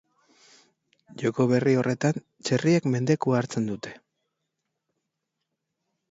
Joko berri horretan, txerriek mendekua hartzen dute.